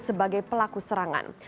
sebagai pelaku serangan